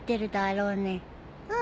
うん。